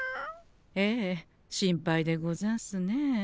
ええ心配でござんすね。